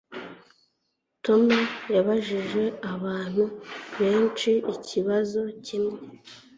Tom yabajije abantu benshi ikibazo kimwe